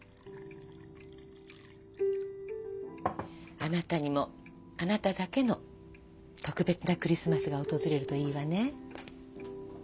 あなたにもあなただけの特別なクリスマスが訪れるといいわね。